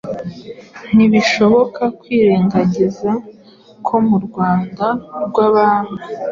Ntibishoboka kwirengagiza ko mu Rwanda rw'abami